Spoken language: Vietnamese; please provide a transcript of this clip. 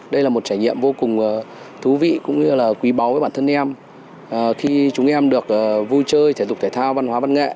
đây là một trải nghiệm vô cùng thú vị cũng như là quý báu với bản thân em khi chúng em được vui chơi thể dục thể thao văn hóa văn nghệ